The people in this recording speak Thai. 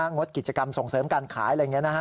งดกิจกรรมส่งเสริมการขาย